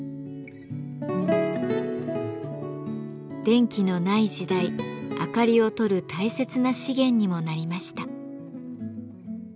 電気のない時代明かりを取る大切な資源にもなりました。